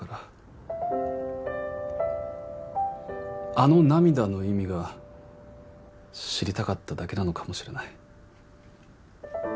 あの涙の意味が知りたかっただけなのかもしれない。